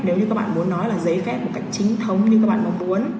nếu như các bạn muốn nói là giấy phép một cách chính thống như các bạn mong muốn